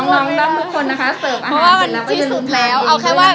น้องเดิมครูข้องนะครับ